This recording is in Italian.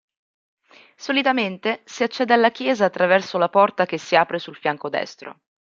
Solitamente si accede alla chiesa attraverso la porta che si apre sul fianco destro.